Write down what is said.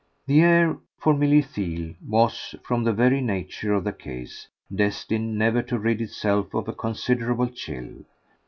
The air, for Milly Theale, was, from the very nature of the case, destined never to rid itself of a considerable chill.